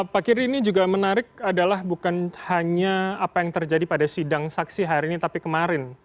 pak kiri ini juga menarik adalah bukan hanya apa yang terjadi pada sidang saksi hari ini tapi kemarin